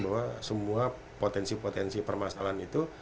bahwa semua potensi potensi permasalahan itu